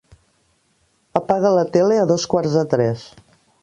Apaga la tele a dos quarts de tres.